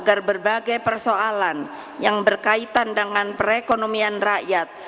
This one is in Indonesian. agar berbagai persoalan yang berkaitan dengan perekonomian rakyat